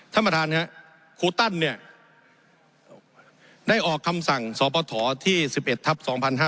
ท่านประธานครับครูตั้นเนี่ยได้ออกคำสั่งสปฐที่๑๑ทัพ๒๕๕๙